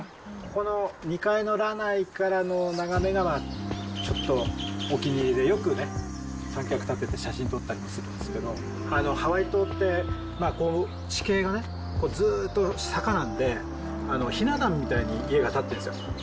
この２階のラナイからの眺めがちょっとお気に入りで、よくね、三脚立てて写真撮ったりもするんですけど、ハワイ島って、地形がね、ずっと坂なんで、ひな壇みたいに家が建ってるんですよ。